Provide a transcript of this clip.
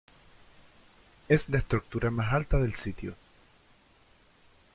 Es la estructura más alta del sitio.